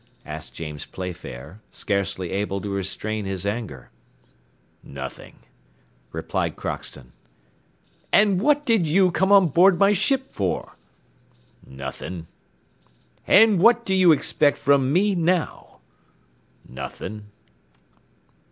asked James Playfair, scarcely able to restrain his anger. "Nothing," replied Crockston. "And what did you come on board my ship for?" "Nothing." "And what do you expect from me now?" "Nothing."